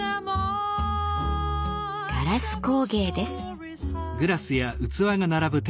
ガラス工芸です。